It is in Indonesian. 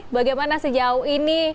bagaimana sejauh ini